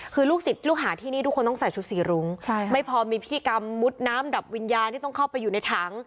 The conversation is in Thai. คือลูกศิษย์ลูกหาที่นี่ทุกคนต้องใส่ชุดสีรุ้งไม่พอมีพิกรรมมุดน้ำดับวิญญาณที่ต้องเข้าไปอยู่ในถัง